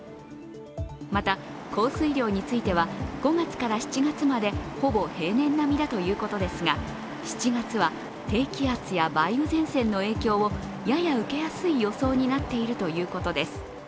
また、降水量については、５月から７月までほぼ平年並みだということですが、７月は低気圧や梅雨前線の影響を、やや受けやすい予想になっているということです。